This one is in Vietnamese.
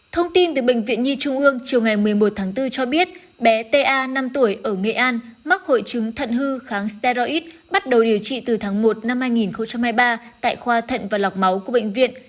thông tin từ bệnh viện nhi trung ương chiều ngày một mươi một tháng bốn cho biết bé ta năm tuổi ở nghệ an mắc hội chứng thận hư kháng staris bắt đầu điều trị từ tháng một năm hai nghìn hai mươi ba tại khoa thận và lọc máu của bệnh viện